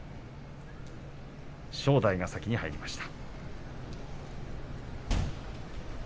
正代が先に入りました。